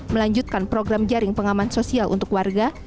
melanjutkan program jaring pengaman sosial untuk warga